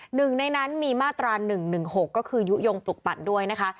หนึ่งในนั้นมีมาตรา๑๑๖ก็คือยุโยงปลุกปั่นด้วยนะคะ